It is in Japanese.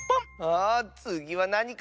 あつぎはなにかな？